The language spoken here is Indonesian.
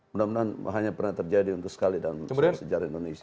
mudah mudahan hanya pernah terjadi untuk sekali dalam sejarah indonesia